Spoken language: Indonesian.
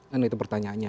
dan itu pertanyaannya